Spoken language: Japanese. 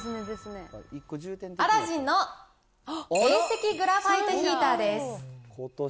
アラジンの遠赤グラファイトヒーターです。